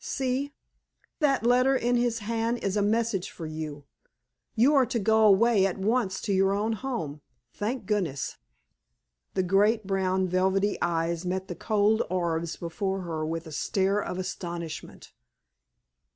See! that letter in his hand is a message for you. You are to go away at once to your own home, thank goodness!" The great brown velvety eyes met the cold orbs before her with a stare of astonishment.